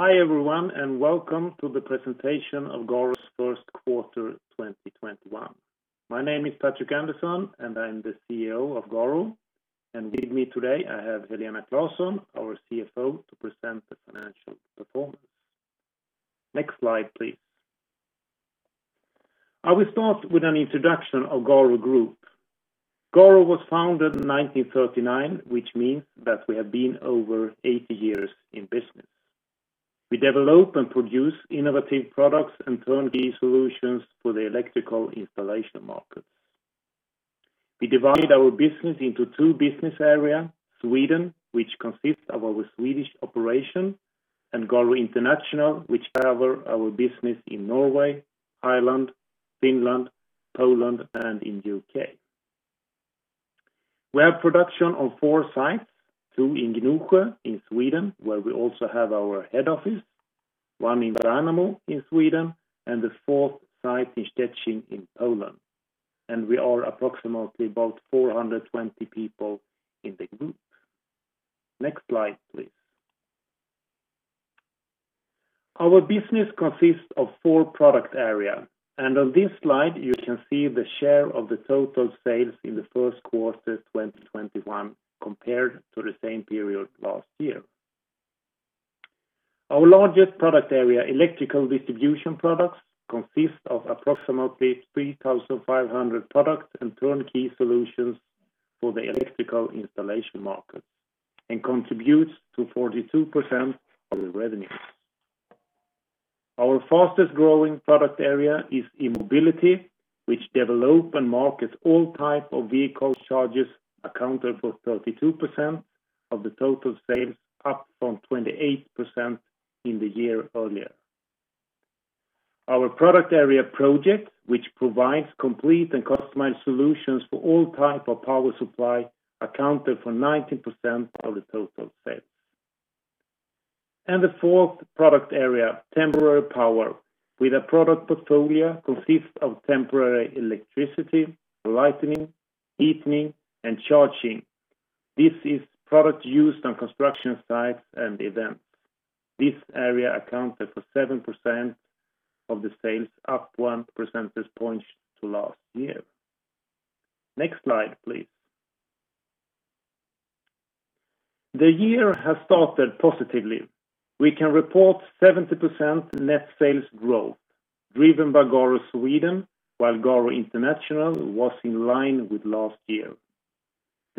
Hi everyone, welcome to the presentation of GARO's Q1 2021. My name is Patrik Andersson, and I'm the CEO of GARO. With me today, I have Helena Claesson, our CFO, to present the financial performance. Next slide, please. I will start with an introduction of GARO Group. GARO was founded in 1939, which means that we have been over 80 years in business. We develop and produce innovative products and turnkey solutions for the electrical installation markets. We divide our business into two business areas: GARO Sweden, which consists of our Swedish operation, and GARO International, which cover our business in Norway, Ireland, Finland, Poland, and in U.K. We have production on four sites, two in Gnosjö in Sweden, where we also have our head office, one in Värnamo in Sweden, and the fourth site in Szczecin in Poland, and we are approximately about 420 people in the group. Next slide, please. Our business consists of four product areas, and on this slide you can see the share of the total sales in the Q1 2021 compared to the same period last year. Our largest product area, Electrical distribution products, consists of approximately 3,500 products and turnkey solutions for the electrical installation market and contributes to 42% of the revenues. Our fastest growing product area is E-mobility, which develop and markets all type of vehicle charges accountable for 32% of the total sales, up from 28% in the year earlier. Our product area project, which provides complete and customized solutions for all type of power supply accounted for 19% of the total sales. And the fourth product area, Temporary Power, with a product portfolio consists of temporary electricity, lighting, heating, and charging. This is product used on construction sites and events. This area accounted for 7% of the sales, up 1% this point to last year. Next slide, please. The year has started positively. We can report 70% net sales growth driven by GARO Sweden while GARO International was in line with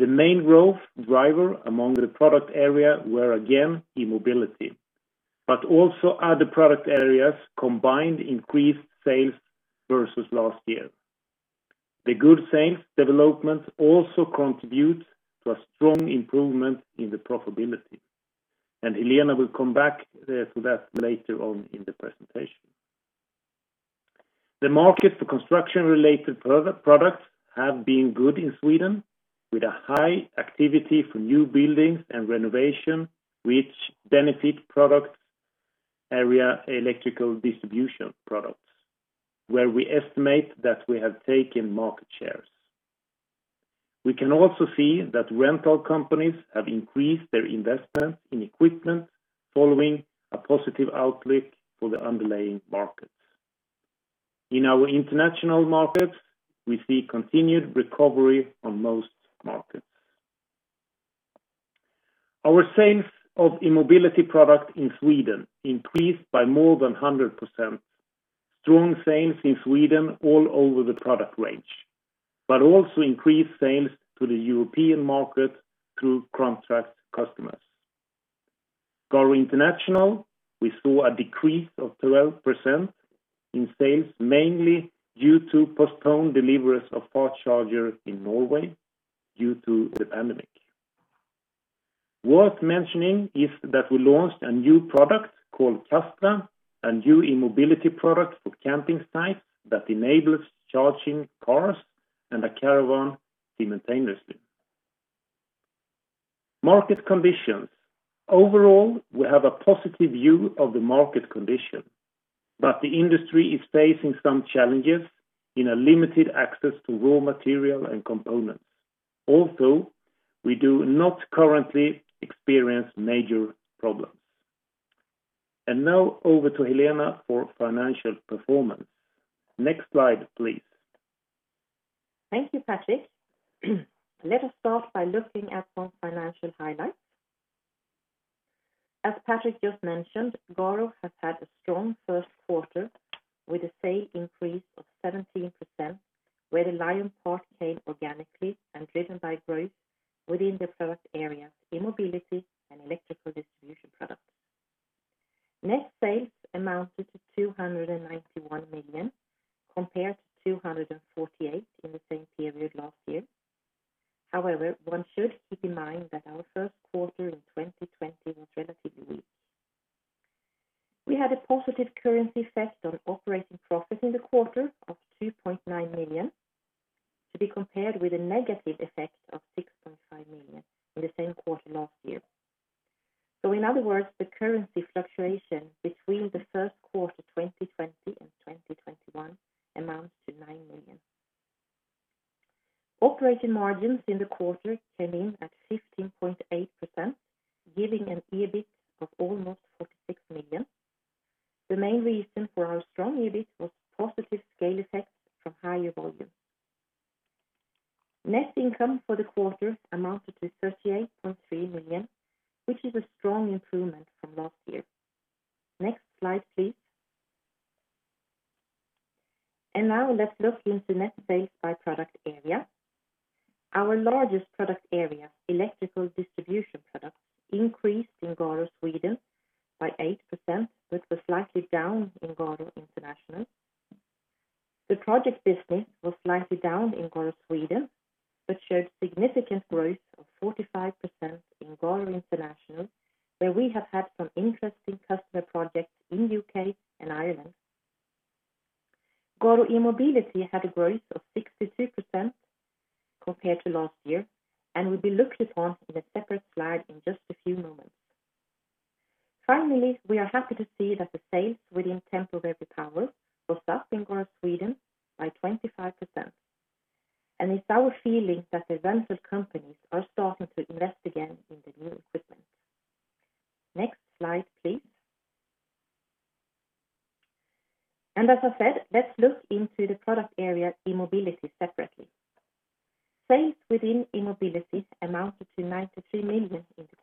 last year. The main growth driver among the product area were again E-mobility, but also other product areas combined increased sales versus last year. The good sales development also contributes to a strong improvement in the profitability, and Helena will come back to that later on in the presentation. The market for construction related products have been good in Sweden with a high activity for new buildings and renovation, which benefit product area Electrical distribution products, where we estimate that we have taken market shares. We can also see that rental companies have increased their investments in equipment following a positive outlook for the underlying markets. In our international markets, we see continued recovery on most markets. Our sales of E-mobility product in Sweden increased by more than 100%. Strong sales in Sweden all over the product range, but also increased sales to the European market through contract customers. GARO International, we saw a decrease of 12% in sales, mainly due to postponed deliveries of four chargers in Norway due to the pandemic. Worth mentioning is that we launched a new product called CASTRA, a new E-mobility product for camping sites that enables charging cars and a caravan simultaneously. Market conditions. Overall, we have a positive view of the market condition, but the industry is facing some challenges in a limited access to raw material and components. Also, we do not currently experience major problems. Now over to Helena for financial performance. Next slide, please. Thank you, Patrik. Let us start by looking at some financial highlights. As Patrik just mentioned, GARO has had a strong Q1 with a sale increase of 17%, the same period last year. However, one should keep in mind that our Q1 in 2020 was relatively weak. We had a positive currency effect on operating profit in the quarter of SEK 2.9 million, to be compared with a negative effect of SEK 6.5 million in the same quarter last year. In other words, the currency fluctuation between the Q1 2020 and 2021 amounts to SEK 9 million. Operating margins in the quarter came in at 15.8%, giving an EBIT of almost SEK 46 million. The main reason for our strong EBIT was positive scale effects from higher volume. Net income for the quarter amounted to 38.3 million, which is a strong improvement from last year. Next slide, please. Now let's look into net sales by product area. Our largest product area, electrical distribution products, increased in GARO Sweden by 8%, but was slightly down in GARO International. The project business was slightly down in GARO Sweden, but showed significant growth of 45% in GARO International where we have had some interesting customer projects in U.K. and Ireland. GARO E-mobility had a growth of 62% compared to last year, and will be looked upon in a separate slide in just a few moments. Finally, we are happy to see that the sales within Temporary Power was up in GARO Sweden by 25%. It's our feeling that the rental companies are starting to invest again in the new equipment. Next slide, please. As I said, let's look into the product area, E-mobility separately. Sales within E-mobility amounted to 93 million in the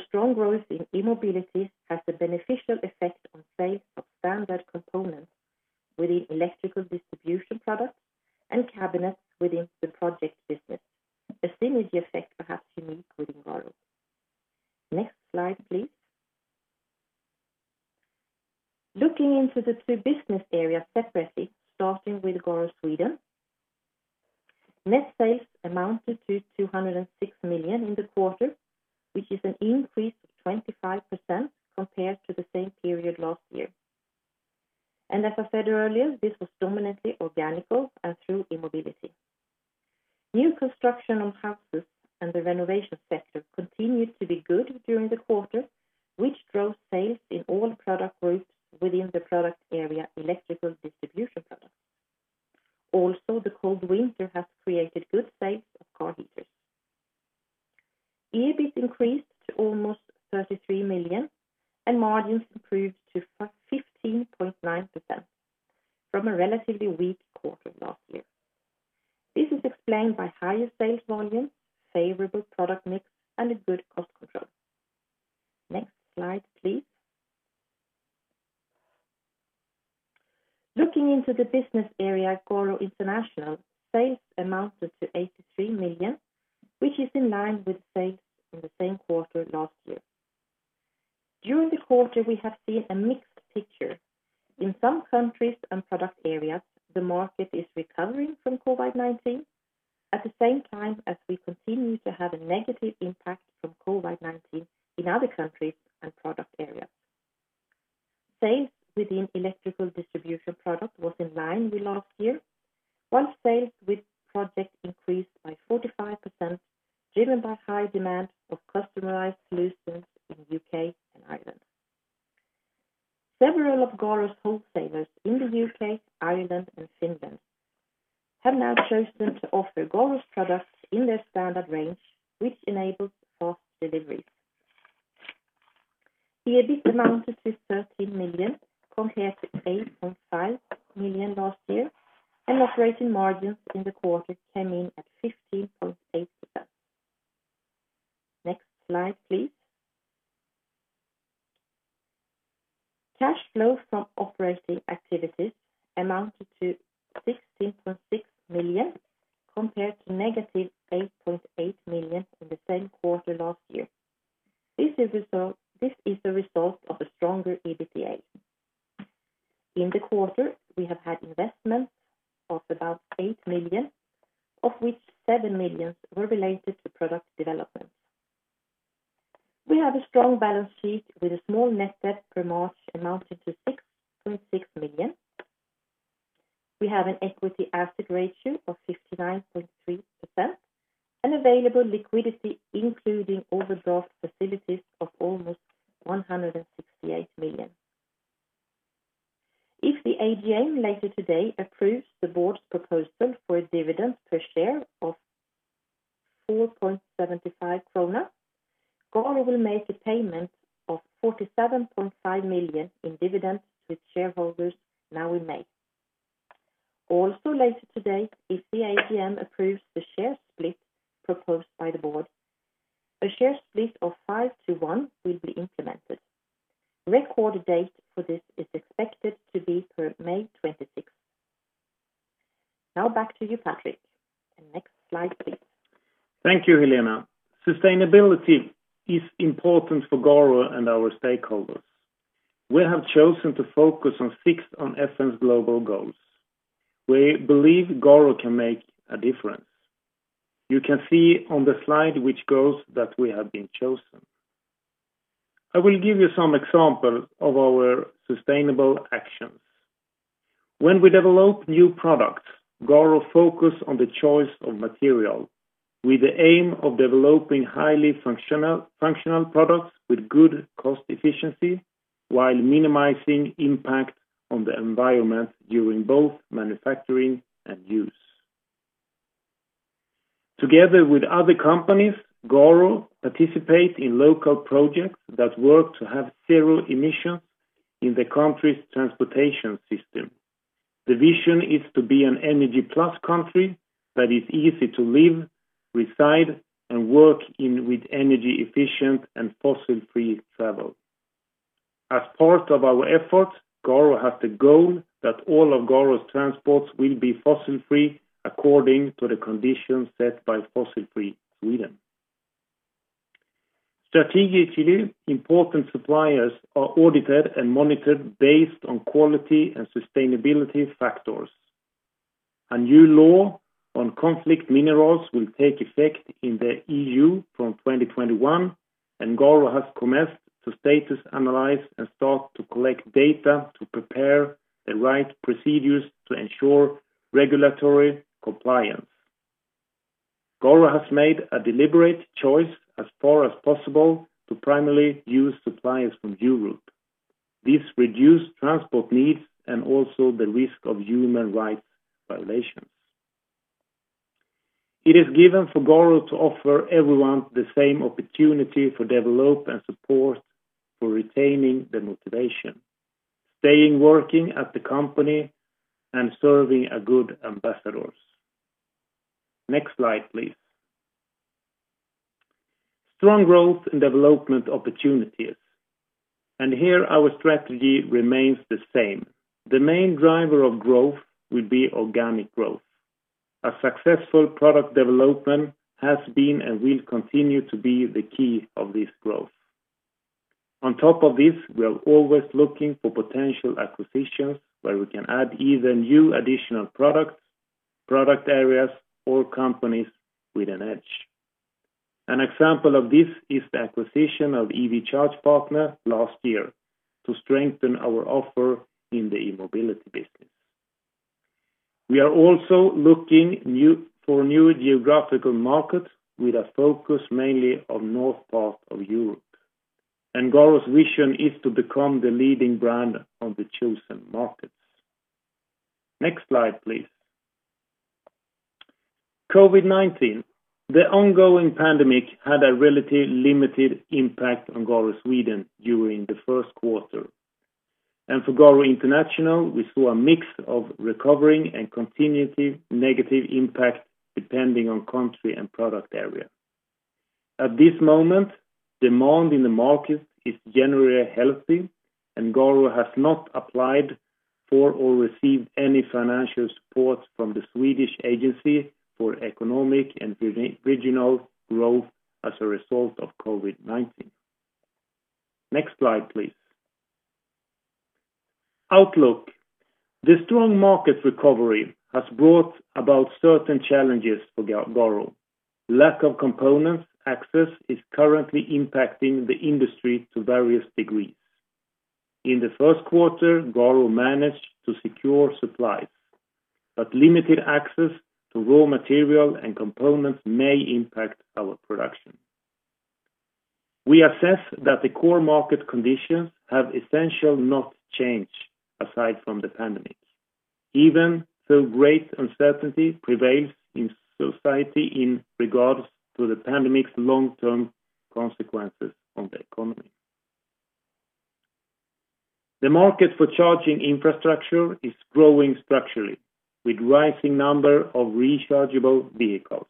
sales activities and postponed deliveries in Norway due to COVID-19. In U.K. and Finland, we saw a continued growth in sales compared to last year although from lower volumes. Chargeable vehicles in Sweden increased by 73% during the Q1, and as we can see, the market for chargers is driven mainly by households and offices. Also, in the international markets, the number of EV vehicles are increasing strongly, and we see a good trend in Ireland, U.K. and Finland. Furthermore, the strong growth in E-mobility has a beneficial effect on sales of standard components within Electrical distribution products and cabinets within the project business. A synergy effect perhaps unique within GARO. Next slide, please. Looking into the two business areas separately, starting with GARO Sweden. Net sales amounted to 206 million in the quarter, which is an increase of 25% compared to the same period last year. As I said earlier, this was dominantly organical and through E-mobility. New construction on houses and the renovation sector continued to be good during the quarter, which drove sales in all product groups within the product area Electrical distribution products. The cold winter has created good sales of car heaters. EBIT increased to almost 33 million, and margins improved to 15.9% from a relatively weak quarter last year. This is explained by higher sales volume, favorable product mix, and a good cost control. Next slide, please. Looking into the business area, GARO International, sales amounted to 83 million, which is in line with sales in the same quarter last year. During the quarter, we have seen a mixed picture. In some countries and product areas, the market is recovering from COVID-19. At the same time as we continue to have a negative impact from COVID-19 in other countries and product areas. Sales within Electrical distribution products was in line with last year. Sales with project increased by 45%, driven by high demand for customized solutions in U.K. and Ireland. Several of GARO's wholesalers in the U.K., Ireland and Finland have now chosen to offer GARO's products in their standard range, which enables fast deliveries. EBIT amounted to 13 million compared to 8.5 million last year, and operating margins in the quarter came in at 15.8%. Next slide, please. Cash flow from operating activities amounted to 16.6 million compared to negative 8.8 million in the same quarter last year. This is a result of a stronger EBITDA. In the quarter, we have had investments of about 8 million, of which 7 millions were related to product development. We have a strong balance sheet with a small net debt per March amounting to 6.6 million. We have an equity asset ratio of 69.3% and available liquidity, including overdraft facilities of almost 168 million. If the AGM later today approves the board's proposal for a dividend per share of 4.75 krona, GARO will make a payment of 47.5 million in dividends to its shareholders now in May. Also later today, if the AGM approves the share split proposed by the board, a share split of five to one will be implemented. Record date for this is expected to be per May 26th. Now back to you, Patrik. Next slide, please. Thank you, Helena. Sustainability is important for GARO and our stakeholders. We have chosen to focus on six UN SDGs' global goals. We believe GARO can make a difference. You can see on the slide which goals that we have been chosen. I will give you some example of our sustainable actions. When we develop new products, GARO focus on the choice of material with the aim of developing highly functional products with good cost efficiency while minimizing impact on the environment during both manufacturing and use. Together with other companies, GARO participate in local projects that work to have zero emissions in the country's transportation system. The vision is to be an energy plus country that is easy to live, reside, and work in with energy efficient and fossil-free travel. As part of our effort, GARO has the goal that all of GARO's transports will be fossil-free according to the conditions set by Fossil Free Sweden. Strategically important suppliers are audited and monitored based on quality and sustainability factors. A new law on conflict minerals will take effect in the EU from 2021, and GARO has commenced to status analyze and start to collect data to prepare the right procedures to ensure regulatory compliance. GARO has made a deliberate choice as far as possible to primarily use suppliers from Europe. This reduce transport needs and also the risk of human rights violations. It is given for GARO to offer everyone the same opportunity for develop and support for retaining the motivation, staying working at the company, and serving a good ambassadors. Next slide, please. Strong growth and development opportunities. Here our strategy remains the same. The main driver of growth will be organic growth. A successful product development has been and will continue to be the key of this growth. On top of this, we are always looking for potential acquisitions where we can add either new additional products, product areas, or companies with an edge. An example of this is the acquisition of EV Charge Partner last year to strengthen our offer in the E-mobility business. We are also looking for new geographical markets with a focus mainly on north part of Europe. GARO's vision is to become the leading brand of the chosen markets. Next slide, please. COVID-19. The ongoing pandemic had a relative limited impact on GARO Sweden during the Q1. For GARO International, we saw a mix of recovering and continuity negative impact depending on country and product area. At this moment, demand in the market is generally healthy, and GARO has not applied for or received any financial support from the Swedish Agency for Economic and Regional Growth as a result of COVID-19. Next slide, please. Outlook. The strong market recovery has brought about certain challenges for GARO. Lack of components access is currently impacting the industry to various degrees. In the Q1, GARO managed to secure supplies, but limited access to raw material and components may impact our production. We assess that the core market conditions have essentially not changed aside from the pandemic, even though great uncertainty prevails in society in regards to the pandemic's long-term consequences on the economy. The market for charging infrastructure is growing structurally with rising number of rechargeable vehicles,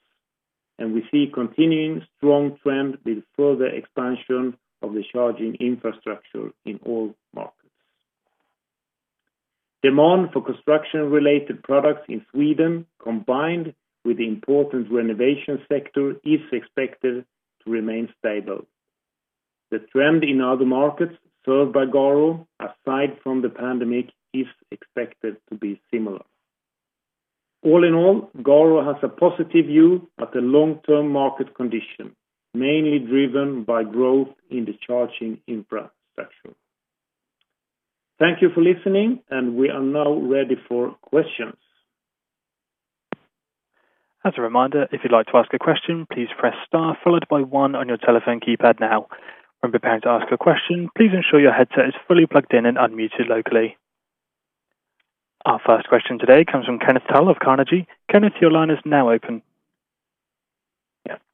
and we see continuing strong trend with further expansion of the charging infrastructure in all markets. Demand for construction-related products in Sweden, combined with the important renovation sector, is expected to remain stable. The trend in other markets served by GARO, aside from the pandemic, is expected to be similar. All in all, GARO has a positive view at the long-term market condition, mainly driven by growth in the charging infrastructure. Thank you for listening, and we are now ready for questions. Our first question today comes from Kenneth Toll of Carnegie. Kenneth, your line is now open.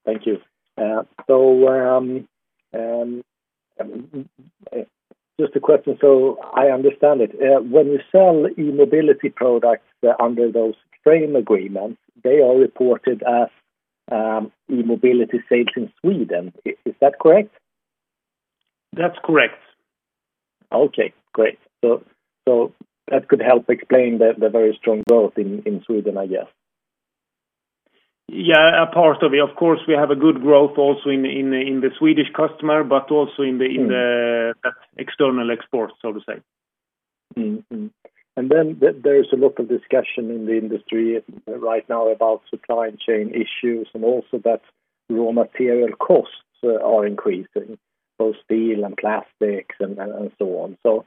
Thank you. Just a question so I understand it. When you sell E-mobility products under those frame agreements, they are reported as E-mobility sales in Sweden. Is that correct? That's correct. Okay, great. That could help explain the very strong growth in Sweden, I guess. Yeah, a part of it. We have a good growth also in the Swedish customer, but also in the external export, so to say. There is a lot of discussion in the industry right now about supply chain issues and also that raw material costs are increasing, both steel and plastics, and so on. Do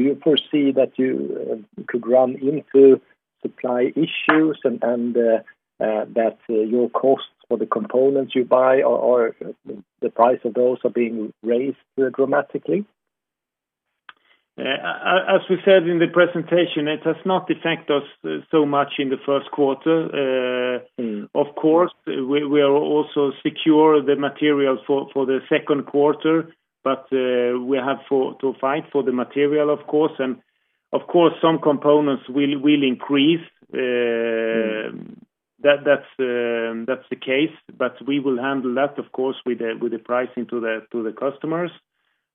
you foresee that you could run into supply issues and that your costs for the components you buy or the price of those are being raised dramatically? As we said in the presentation, it has not affected us so much in the Q1. Of course, we are also secure the material for the second quarter. We have to fight for the material, of course. Of course, some components will increase. That's the case. We will handle that, of course, with the pricing to the customers.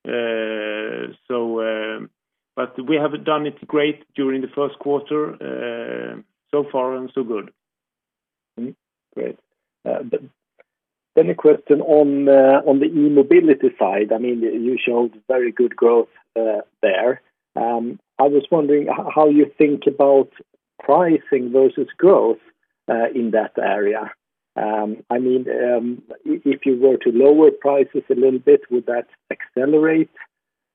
We have done it great during the Q1. So far so good. Great. A question on the E-mobility side. You showed very good growth there. I was wondering how you think about pricing versus growth in that area. If you were to lower prices a little bit, would that accelerate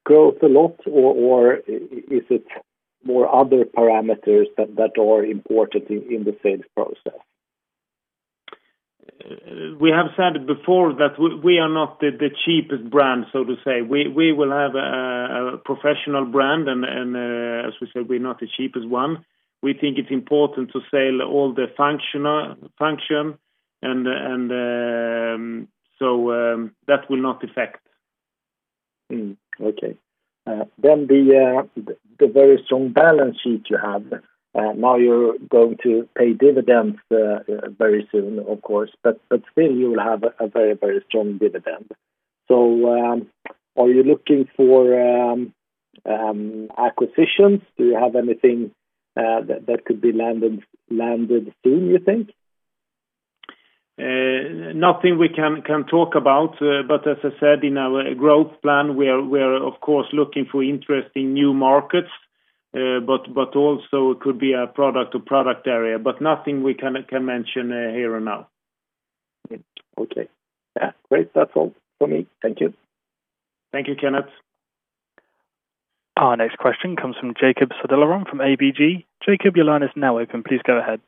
growth a lot or is it more other parameters that are important in the sales process? We have said before that we are not the cheapest brand, so to say. We will have a professional brand and, as we said, we're not the cheapest one. We think it's important to sell all the function, so that will not affect. Okay. The very strong balance sheet you have. Now you're going to pay dividends very soon, of course, but still you will have a very strong dividend. Are you looking for acquisitions? Do you have anything that could be landed soon, you think? Nothing we can talk about. As I said, in our growth plan, we are of course looking for interest in new markets. Also, it could be a product area, but nothing we can mention here now. Okay. Yeah. Great. That's all from me. Thank you. Thank you, Kenneth. Our next question comes from Jacob Söderlund from ABG. Jacob, your line is now open. Please go ahead.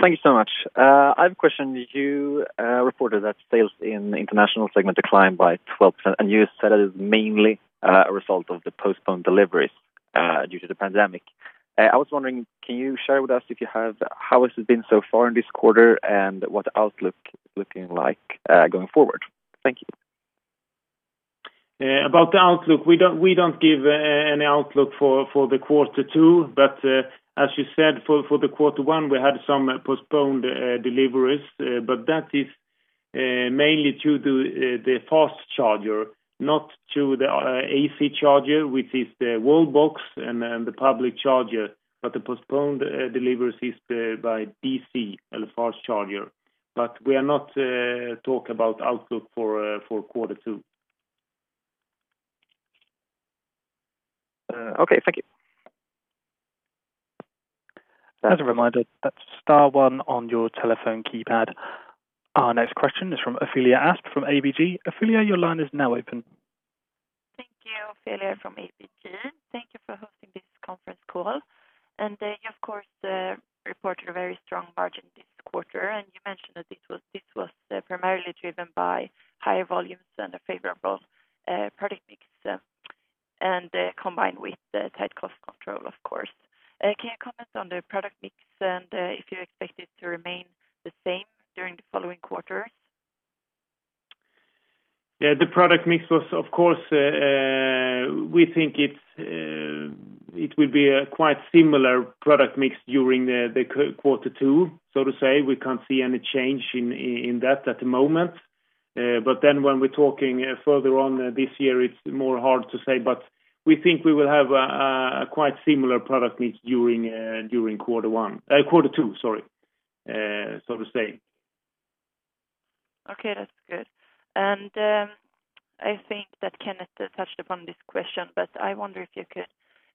Thank you so much. I have a question. You reported that sales in the International segment declined by 12%, and you said that it was mainly a result of the postponed deliveries due to the pandemic. I was wondering, can you share with us how has it been so far in this quarter, and what the outlook looking like going forward? Thank you. About the outlook, we don't give any outlook for the quarter 2, as you said, for the Q1, we had some postponed deliveries. That is mainly to the fast charger, not to the AC charger, which is the wall box and the public charger. The postponed deliveries is by DC, the fast charger. We are not talk about outlook for quarter 2. Okay. Thank you. Our next question is from Ofelia Aspemyr from ABG. Ofelia, your line is now open. Thank you. Ofelia from ABG. Thank you for hosting this conference call. You, of course, reported a very strong margin this quarter, and you mentioned that this was primarily driven by higher volumes and a favorable product mix, and combined with tight cost control, of course. Can you comment on the product mix and if you expect it to remain the same during the following quarters? Yeah, the product mix, we think it will be a quite similar product mix during the quarter two, so to say. We can't see any change in that at the moment. When we're talking further on this year, it's more hard to say. We think we will have a quite similar product mix during quarter two, so to say. Okay, that's good. I think that Kenneth touched upon this question, but I wonder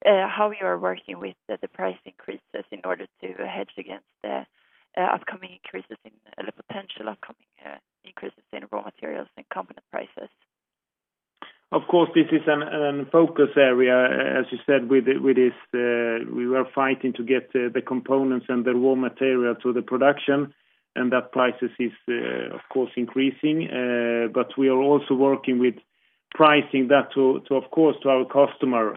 how you are working with the price increases in order to hedge against the potential upcoming increases in raw materials and component prices? Of course, this is a focus area, as you said, with this we were fighting to get the components and the raw material to the production, and that prices is, of course, increasing. We are also working with pricing that, of course, to our customer.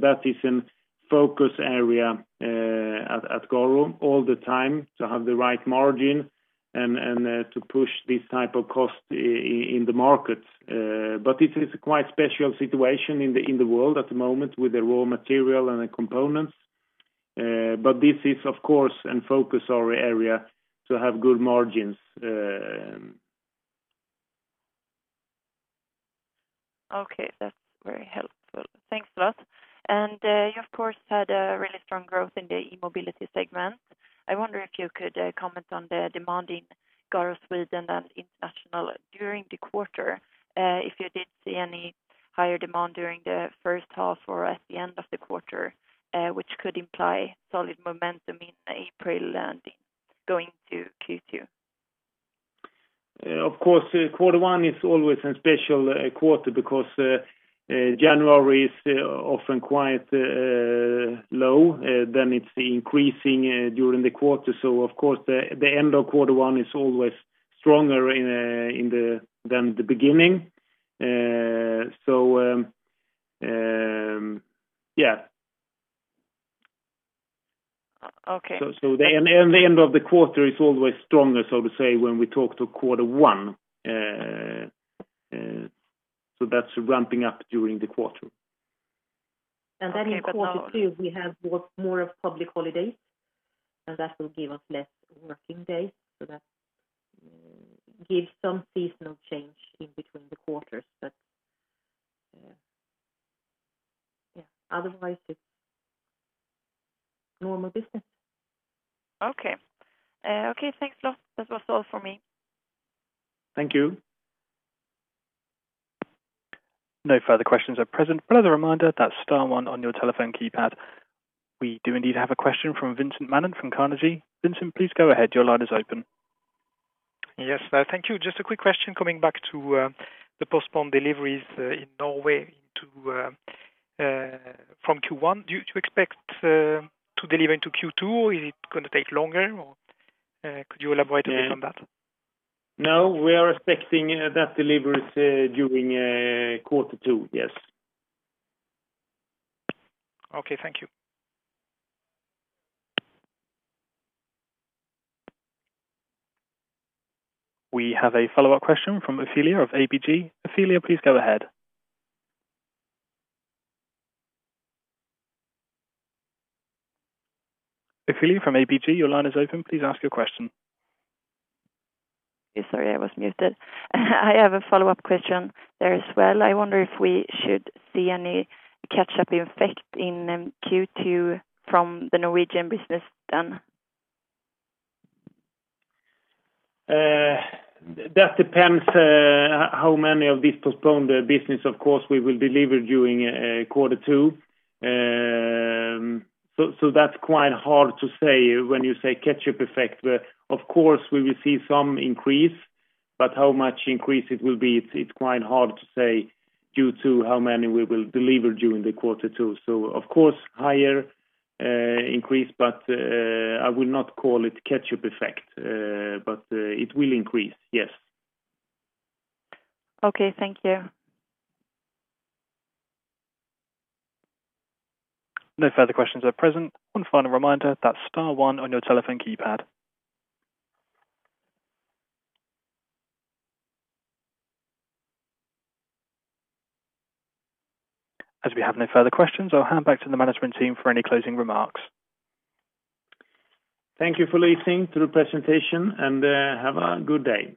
That is a focus area at GARO all the time to have the right margin and to push this type of cost in the market. It is a quite special situation in the world at the moment with the raw material and the components. This is, of course, a focus area to have good margins. Okay. That's very helpful. Thanks a lot. You, of course, had a really strong growth in the E-mobility segment. I wonder if you could comment on the demand in GARO Sweden and GARO International during the quarter, if you did see any higher demand during the first half or at the end of the quarter, which could imply solid momentum in April and going to Q2. Of course, Q1 is always a special quarter because January is often quite low, then it's increasing during the quarter. Of course, the end of quarter one is always stronger than the beginning. Okay. The end of the quarter is always stronger, so to say, when we talk to quarter one. That's ramping up during the quarter. Okay, but how. In quarter two we have more of public holidays, and that will give us less working days. That gives some seasonal change in between the quarters. Yeah. Otherwise, it's normal business. Okay. Thanks a lot. That was all for me. Thank you. No further questions at present. We do indeed have a question from Vincent Mannent from Carnegie. Vincent, please go ahead. Your line is open. Yes. Thank you. Just a quick question coming back to the postponed deliveries in Norway from Q1. Do you expect to deliver into Q2, or is it going to take longer, or could you elaborate a bit on that? No, we are expecting that deliveries during quarter two. Yes. Okay. Thank you. We have a follow-up question from Ofelia of ABG. Ofelia, please go ahead. Ofelia from ABG, your line is open. Please ask your question. Sorry, I was muted. I have a follow-up question there as well. I wonder if we should see any catch-up effect in Q2 from the Norwegian business then. That depends how many of these postponed business, of course, we will deliver during quarter two. That's quite hard to say when you say catch-up effect. Of course, we will see some increase, but how much increase it will be, it's quite hard to say due to how many we will deliver during the quarter two. Of course, higher increase, but I will not call it catch-up effect. It will increase, yes. Okay. Thank you. No further questions at present. As we have no further questions, I'll hand back to the management team for any closing remarks. Thank you for listening to the presentation. Have a good day.